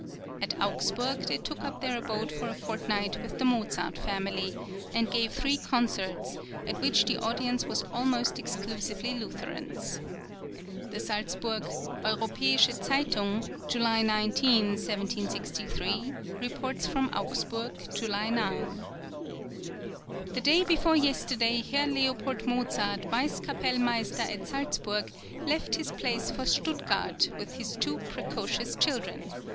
At Augsburg they took up their abode for a fortnight with the Mozart family, and gave three concerts, at which the audience were almost exclusively Lutherans. The Salzburg "Europàische Zeitung" (July 19, 1763) reports from Augsburg, July 9: The day before yesterday, Herr Leopold Mozart, Vice Kapellmeister at Salzburg, left this place for Stuttgart, with his two precocious children.